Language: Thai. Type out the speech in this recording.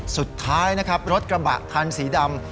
สุดท้ายนะครับรถกระบะคันสีดำ